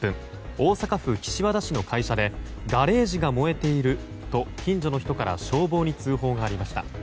大阪府岸和田市の会社でガレージが燃えていると近所の人から消防に通報がありました。